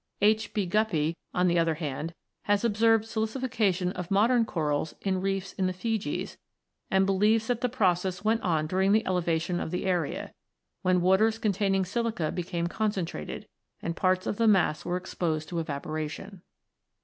H. B. Guppyfes), on the other hand, has observed silicification of modern corals in reefs in the Fijis, and believes that the ii] THE LIMESTONES 41 process went on during the elevation of the area, when waters containing silica became concentrated, and parts of the mass were exposed to evaporation.